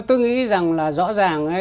tôi nghĩ rằng là rõ ràng ấy